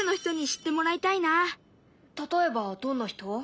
例えばどんな人？